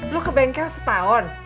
lo ke bengkel setahun